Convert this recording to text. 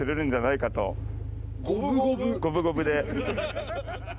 五分五分で。